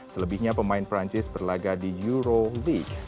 selebihnya pemain perancis berlagak di euro league